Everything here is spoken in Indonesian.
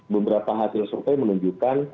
beberapa hasil survei menunjukkan